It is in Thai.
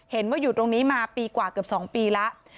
เห็นว่าอยู่ตรงนี้มาปีกว่าเกือบ๒ปีแล้ว